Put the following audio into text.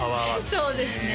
そうですね